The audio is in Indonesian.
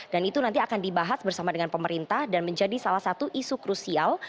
itu nanti akan dibahas bersama dengan pemerintah dan menjadi salah satu isu krusial